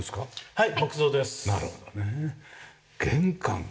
はい。